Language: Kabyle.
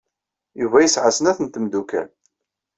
Yuba yesɛa snat n tmeddukal.